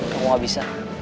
kamu gak bisa